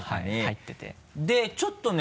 でちょっとね